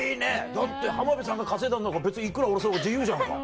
だって浜辺さんが稼いだんだから別にいくら下ろそうが自由じゃんか。